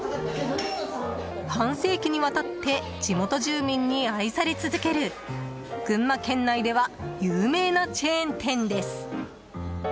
半世紀にわたって地元住民に愛され続ける群馬県内では有名なチェーン店です。